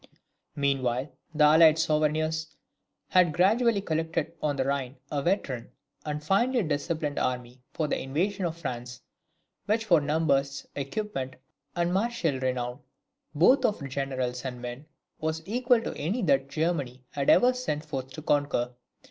Meanwhile, the allied sovereigns had gradually collected on the Rhine a veteran and finely disciplined army for the invasion of France, which for numbers, equipment, and martial renown, both of generals and men, was equal to any that Germany had ever sent forth to conquer.